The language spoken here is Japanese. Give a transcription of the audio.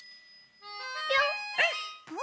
ぴょん！